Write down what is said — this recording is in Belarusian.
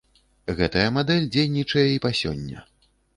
Гэтая мадэль дзейнічае і па сёння.